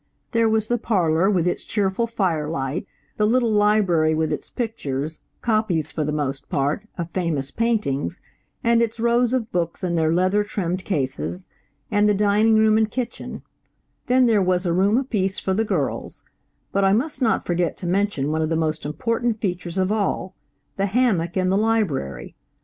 There was the parlor with its cheerful fire light, the little library with its pictures, copies, for the most part, of famous paintings, and its rows of books in their leather trimmed cases, and the dining room and kitchen; then there was a room apiece for the girls; but I must not forget to mention one of the most important features of all–the hammock in the library.